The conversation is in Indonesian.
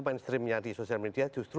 mainstreamnya di sosial media justru